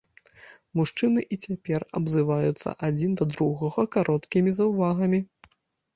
Мужчыны і цяпер абзываюцца адзін да другога кароткімі заўвагамі.